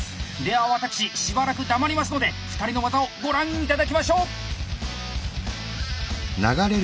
では私しばらく黙りますので２人の技をご覧頂きましょう！